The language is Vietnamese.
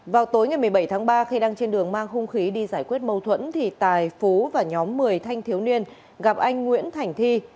vào tối ngày một mươi bảy tháng ba khi đang trên đường mang hung khí đi giải quyết mâu thuẫn thì tài phú và nhóm một mươi thanh thiếu niên gặp anh nguyễn thành thi